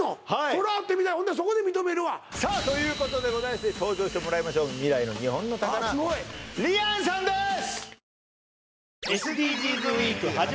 そら会ってみたいほんでそこで認めるわさあということでございまして登場してもらいましょう未来の日本の宝ＲＩＡＮさんです！